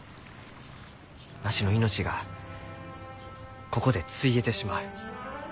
わしの命がここでついえてしまう。